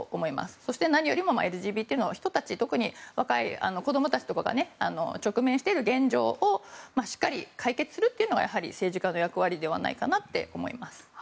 そして何よりもＬＧＢＴの人たち特に若い子供たちとかが直面している現状をしっかり解決するというのが政治家の役割ではないかなと思います。